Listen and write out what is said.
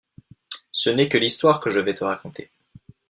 Ce n’est que l’histoire que je vais te raconter.